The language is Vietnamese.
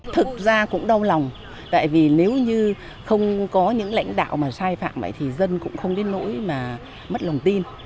thực ra cũng đau lòng tại vì nếu như không có những lãnh đạo mà sai phạm vậy thì dân cũng không biết nỗi mà mất lòng tin